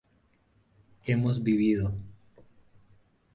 hemos vivido